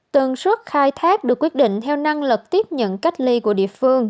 tần suất khai thác được quyết định theo năng lực tiếp nhận cách ly của địa phương